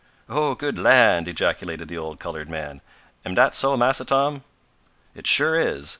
"Oh, good land!" ejaculated the old colored man. "Am dat so Massa Tom?" "It sure is.